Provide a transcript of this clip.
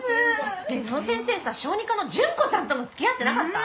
その先生さ小児科のジュンコさんとも付き合ってなかった？